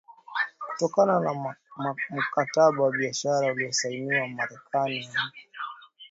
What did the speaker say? Kutokana na Mkataba wa Biashara uliosainiwa Wamerekani walianzisha wakala wa biashara Zanzibar